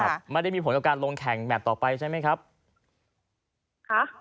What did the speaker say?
ครับไม่ได้มีผลกับการลงแข่งแมทต่อไปใช่ไหมครับค่ะ